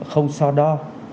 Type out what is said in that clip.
không so đo